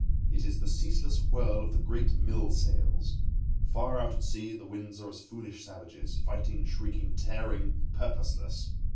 It is the ceaseless whirl of the great mill sails. Far out at sea the winds are as foolish savages, fighting, shrieking, tearing—purposeless.